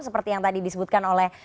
seperti yang tadi disebutkan oleh